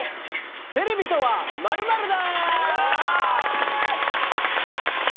テレビとは、○○だ。